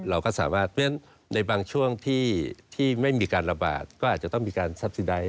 เราก็สามารถเพราะฉะนั้นในบางช่วงที่ไม่มีการระบาดก็อาจจะต้องมีการซัดซีไดท